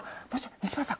西村さん